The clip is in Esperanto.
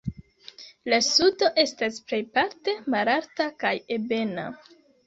La sudo estas plejparte malalta kaj ebena.